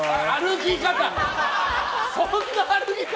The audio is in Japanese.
歩き方！